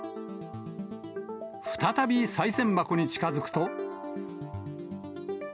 再びさい銭箱に近づくと。